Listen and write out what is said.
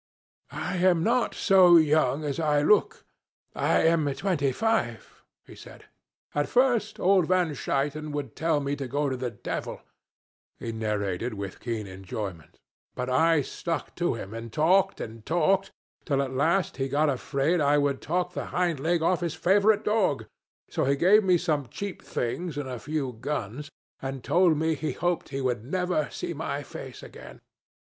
'I am not so young as I look. I am twenty five,' he said. 'At first old Van Shuyten would tell me to go to the devil,' he narrated with keen enjoyment; 'but I stuck to him, and talked and talked, till at last he got afraid I would talk the hind leg off his favorite dog, so he gave me some cheap things and a few guns, and told me he hoped he would never see my face again.